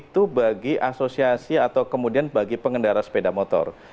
itu bagi asosiasi atau kemudian bagi pengendara sepeda motor